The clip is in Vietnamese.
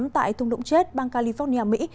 tại thùng lũng chết bang california mỹ